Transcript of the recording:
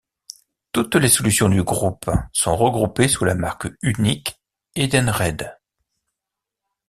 Toutes les solutions du Groupe sont regroupées sous la marque unique Edenred.